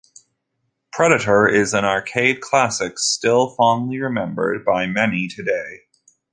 Predator" is an "arcade classic still fondly remembered by many today.